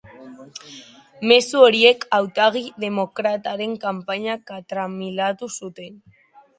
Mezu horiek hautagai demokrataren kanpaina katramilatu zuten.